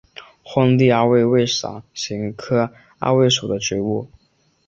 荒地阿魏为伞形科阿魏属的植物。